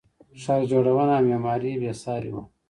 ښار جوړونه او معمارۍ بې ساري وه